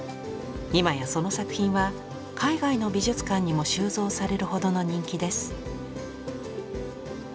今やその作品は海外の美術館にも収蔵されるほどの人気です。